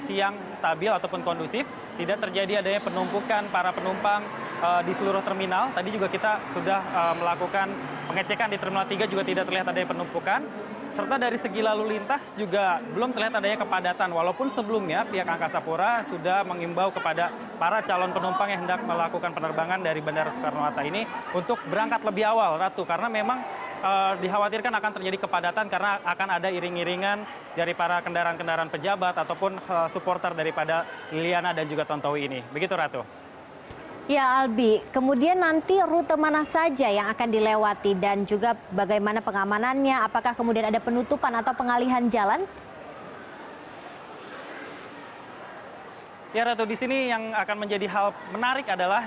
ya ratu di sini yang akan menjadi hal menarik adalah